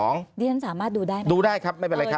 ดิฉันสามารถดูได้ไหมดูได้ครับไม่เป็นไรครับ